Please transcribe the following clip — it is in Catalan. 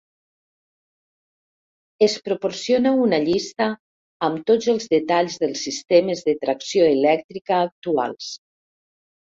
Es proporciona una llista amb tots els detalls dels sistemes de tracció elèctrica actuals.